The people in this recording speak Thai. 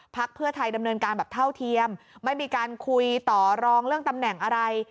เพื่อไทยดำเนินการแบบเท่าเทียมไม่มีการคุยต่อรองเรื่องตำแหน่งอะไร